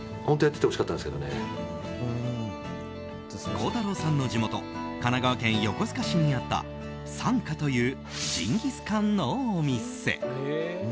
孝太郎さんの地元神奈川県横須賀市にあった三華というジンギスカンのお店。